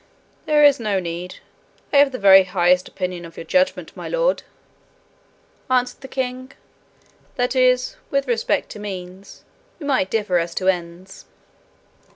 'There is no need. I have the very highest opinion of your judgement, my lord,' answered the king; 'that is, with respect to means: we might differ as to ends.'